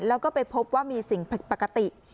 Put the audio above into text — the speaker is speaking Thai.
แล้วก็ไปพบว่ามีสิ่งผิดปกติ